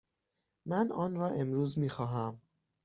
من آن را امروز می خواهم.